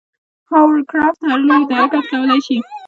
هاورکرافت هر لوري ته حرکت کولی شي.